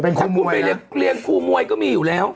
เป็นคุณมวยนะคุณไปเล่นครูมวยก็มีอยู่แล้ว